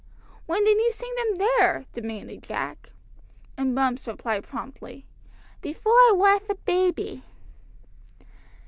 "When did you sing them there?" demanded Jack. And Bumps replied promptly, "Before I wath a baby."